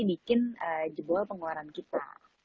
bikin jebol pengeluaran kita